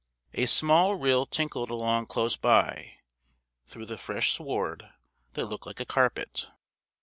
A small rill tinkled along close by, through the fresh sward, that looked like a carpet.